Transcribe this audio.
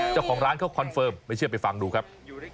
เจ้าของร้านเขาคอนเฟิร์มไม่เชื่อไปฟังดูครับ